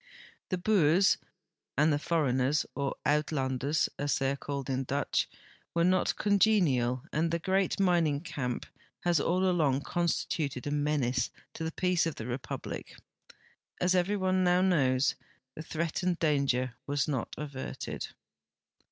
The Boers and the foreigners, or " Uitlanders," as they are called in Dutch, Avere not congenial and the great mining camp has all along con stituted a menace to the peace of the Republic. As every one now knows, the threatened danger was not averted.